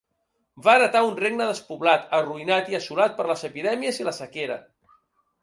Va heretar un regne despoblat, arruïnat i assolat per les epidèmies i la sequera.